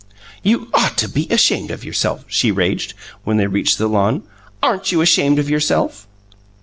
"You ought to be ashamed of yourself!" she raged, when they reached the lawn. "Aren't you ashamed of yourself?"